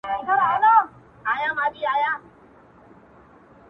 هره ورځ به نه وي غم د اردلیانو!!